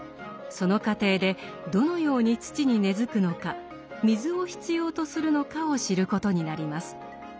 その過程でどのように土に根づくのか水を必要とするのかを知ることになります。